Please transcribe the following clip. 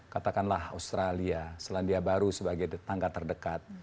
katakanlah australia selandia baru sebagai tetangga terdekat